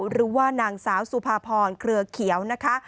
หรือว่านางสาวสุภพรเคลือเขียว